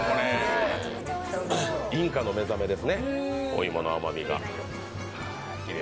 インカのめざめですね、お芋の甘みが。